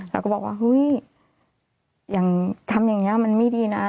เราก็บอกว่าทำอย่างเงี้ยมันไม่ดีนะ